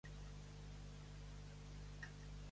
Què expliquen històries més tardanes sobre Antènor?